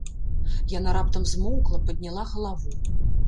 Яна раптам змоўкла, падняла галаву.